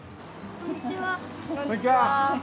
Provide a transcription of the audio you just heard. こんにちは。